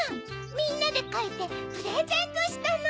みんなでかいてプレゼントしたの。